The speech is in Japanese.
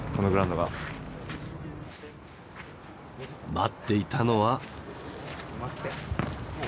待っていたのは。